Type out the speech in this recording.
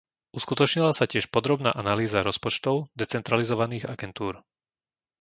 Uskutočnila sa tiež podrobná analýza rozpočtov decentralizovaných agentúr.